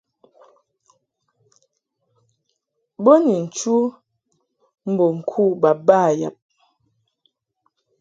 Bo ni nchu mbo ŋku baba yab.